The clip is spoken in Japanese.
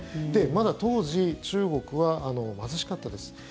まだ当時中国は貧しかったです。